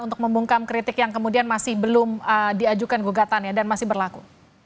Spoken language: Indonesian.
untuk membungkam kritik yang kemudian masih belum diajukan gugatannya dan masih berlaku